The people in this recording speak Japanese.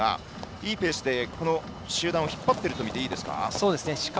いいペースでこの集団を引っ張っているとみていいですか。